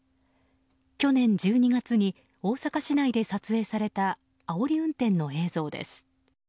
去年１２月に大阪市内で撮影されたあおり運転の映像です。